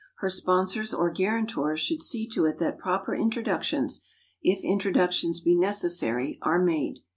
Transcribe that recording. Her sponsors or guarantors should see to it that proper introductions, if introductions be necessary, are made.